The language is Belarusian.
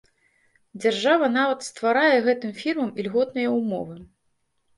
Дзяржава нават стварае гэтым фірмам ільготныя ўмовы.